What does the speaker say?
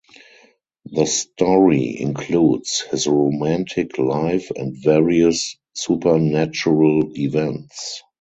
The story includes his romantic life and various supernatural events.